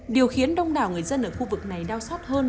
điều khiến đông đảo người dân ở khu vực này đau xót hơn